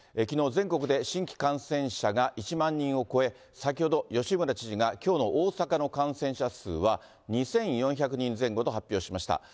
きのう、全国で新規感染者が１万人を超え、先ほど、吉村知事がきょうの大阪の感染者数は２４００人前後と発表しました。